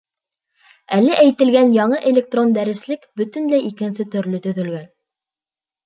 Әле әйтелгән яңы электрон дәреслек бөтөнләй икенсе төрлө төҙөлгән.